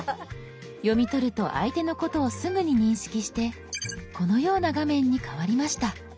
読み取ると相手のことをすぐに認識してこのような画面に変わりました。